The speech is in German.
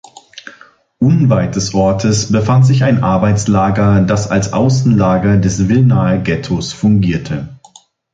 Unweit des Ortes befand sich ein Arbeitslager, das als Außenlager des Wilnaer Ghettos fungierte.